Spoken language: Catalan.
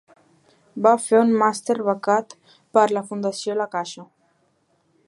Va fer un màster becat per la Fundació La Caixa.